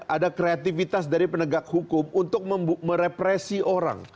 ada kreativitas dari penegak hukum untuk merepresi orang